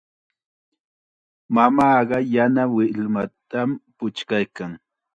Mamaaqa yana millwatam puchkaykan.